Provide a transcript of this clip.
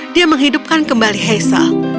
dia menghidupkan kembali hazel